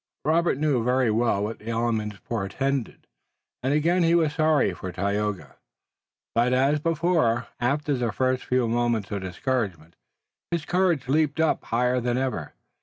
Robert knew very well what the elements portended and again he was sorry for Tayoga, but as before, after the first few moments of discouragement his courage leaped up higher than ever.